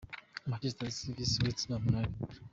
Manchester City vs West Ham United.